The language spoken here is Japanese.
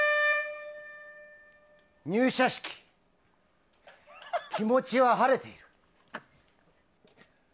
入社式、気持ちは晴れている。